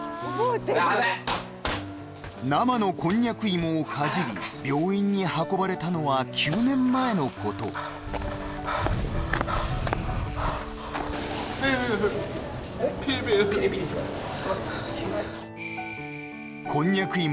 ヤベッ生のこんにゃく芋をかじり病院に運ばれたのは９年前のことピリピリするえっ？